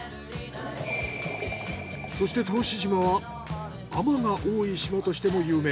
そして答志島は海女が多い島としても有名。